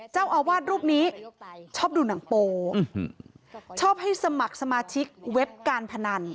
เจ้าอาวาสรูปนี้ชอบดูหนังโปชอบให้สมัครสมาชิกเว็บการพนัน